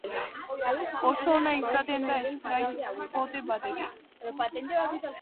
Oso ona izaten da Sprite-pote batekin.